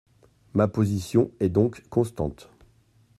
Ma position est donc constante.